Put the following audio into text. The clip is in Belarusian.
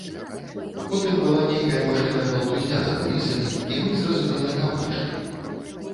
Потым была нейкая мышыная валтузня за кулісамі, і мы, зразумела, не выйшлі.